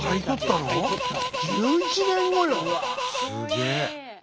すげえ！